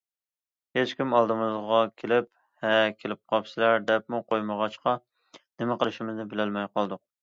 ھېچكىم ئالدىمىزغا كېلىپ« ھە، كېلىپ قاپسىلەر...» دەپمۇ قويمىغاچقا، نېمە قىلىشىمىزنى بىلەلمەي قالدۇق.